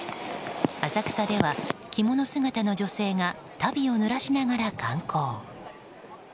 浅草では、着物姿の女性が足袋をぬらしながら観光。